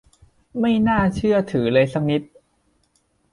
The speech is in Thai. ไม่น่าเชื่อถือเลยสักนิด !